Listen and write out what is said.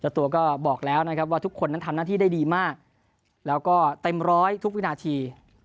ตัวก็บอกแล้วนะครับว่าทุกคนนั้นทำหน้าที่ได้ดีมากแล้วก็เต็มร้อยทุกวินาที